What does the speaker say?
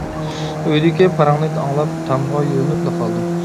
ئۆيدىكى پاراڭنى ئاڭلاپ تامغا يۆلىنىپلا قالدىم.